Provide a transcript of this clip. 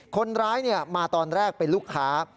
คนร้ายมาตอนแรกไปลุกขา